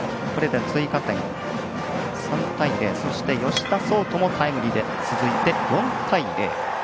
追加点３対０、そして吉田創登もタイムリーで続いて４対０。